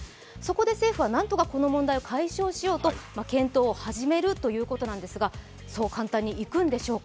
政府はなんとかこの問題を解消しようと検討を始めるということですがそう簡単にいくんでしょうか。